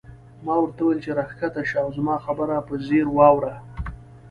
ما ورته وویل چې راکښته شه او زما خبره په ځیر واوره.